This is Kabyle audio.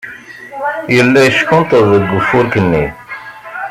Yella yeckunṭeḍ deg ufurk-nni.